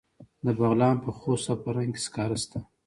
د بغلان په خوست او فرنګ کې سکاره شته.